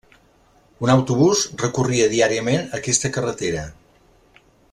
Un autobús recorria diàriament aquesta carretera.